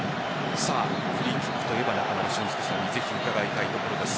フリーキックといえば中村俊輔さんにぜひ伺いたいです。